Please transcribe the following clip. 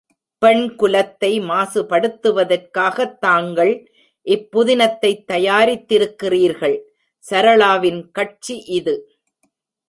பெண்குலத்தை மாசுபடுத்துவதற்காகத் தாங்கள் இப்புதினத்தைத் தயாரித்திருக்கிறீர்கள்! சரளாவின் கட்சி இது.